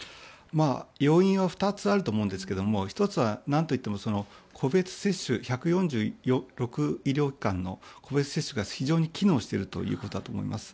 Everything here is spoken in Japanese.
要因は２つあると思うんですけども１つは何といっても個別接種１４６医療機関の個別接種が非常に機能しているということだと思います。